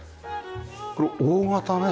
これ大型ね？